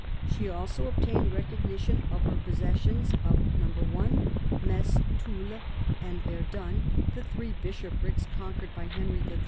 She also obtained recognition of her possession of (1) Metz, Toul, and Verdun, the three bishoprics conquered by Henry III.